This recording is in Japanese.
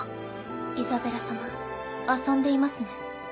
イザベラ様遊んでいますね？